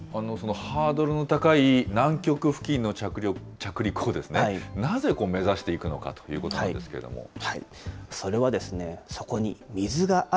ハードルの高い、南極付近の着陸をなぜ目指していくのかといそれはですね、そこに水があ水？